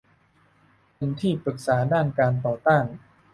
เป็นที่ปรึกษาด้านการต่อต้าน